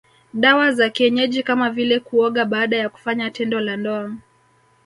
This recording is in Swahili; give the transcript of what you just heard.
Dawa za kienyeji kama vile kuoga baada ya kufanya tendo la ndoa